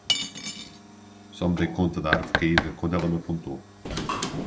Só me dei conta da árvore caída quando ela me apontou.